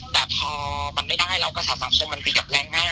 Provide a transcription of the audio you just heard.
แต่พอมันไม่ได้เราก็สามารถส่งมันไปกับแรงง่าย